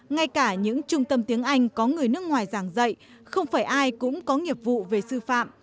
ngay cả những trung tâm tiếng anh có người nước ngoài giảng dạy không phải ai cũng có nghiệp vụ về sư phạm